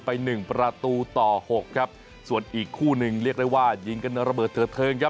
ไป๑ประตูต่อ๖ส่วนอีกคู่หนึ่งเรียกได้ว่ายิงกำลังระเบิดเหลือเทิง